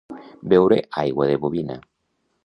Beure aigua de bovina.